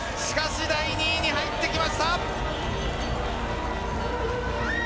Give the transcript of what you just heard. しかし第２位に入ってきました。